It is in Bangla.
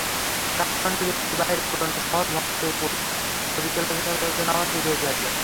কাঠমান্ডুর একটু বাইরে পুরোনো শহর ভক্তপুর ছবি তোলার জন্য আমার প্রিয় জায়গা।